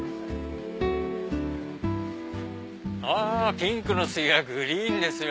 あピンクの次がグリーンですよ。